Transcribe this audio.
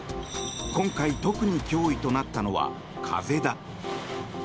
今回、特に脅威となったのは風だ。